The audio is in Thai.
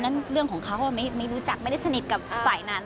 เรื่องของเขาไม่รู้จักไม่ได้สนิทกับฝ่ายนั้น